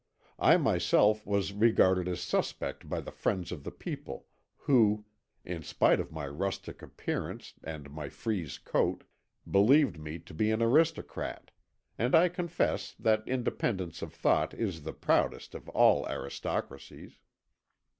I myself was regarded as suspect by the friends of the people, who, in spite of my rustic appearance and my frieze coat, believed me to be an aristocrat, and I confess that independence of thought is the proudest of all aristocracies.